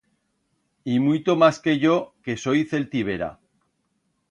Y muito mas que yo, que soi celtibera.